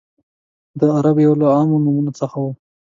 د عربو یو له عامو نومونو څخه و.